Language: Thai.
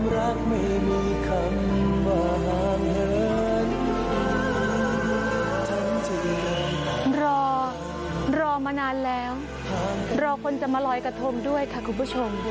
รอรอมานานแล้วรอคนจะมาลอยกระทงด้วยค่ะคุณผู้ชม